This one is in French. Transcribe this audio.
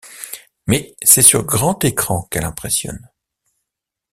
Mais c'est sur grand écran qu'elle impressionne.